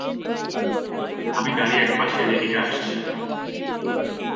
আমি গাড়ি একপাশে রেখে আসছি।